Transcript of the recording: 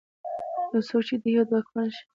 يو څوک چې د هېواد واکمن شي.